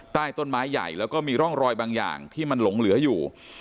ใต้ต้นไม้ใหญ่แล้วก็มีร่องรอยบางอย่างที่มันหลงเหลืออยู่